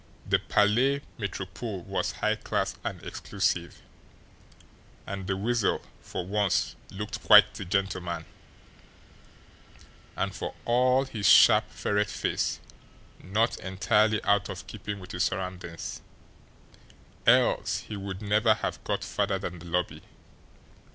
The Palais Metropole was high class and exclusive, and the Weasel for once looked quite the gentleman, and, for all his sharp, ferret face, not entirely out of keeping with his surroundings else he would never have got farther than the lobby.